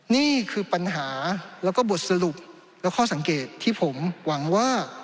นี่คือปัญหาแล้วก็บทสรุปและข้อสังเกตที่ผมหวังว่า